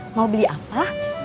mau beli apa